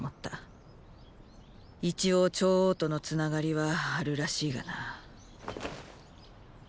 一応趙王とのつながりはあるらしいがな。